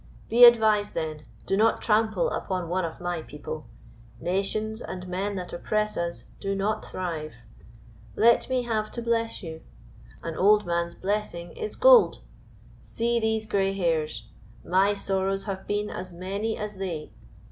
Be advised, then, do not trample upon one of my people. Nations and men that oppress us do not thrive. Let me have to bless you. An old man's blessing is gold. See these gray hairs. My sorrows have been as many as they.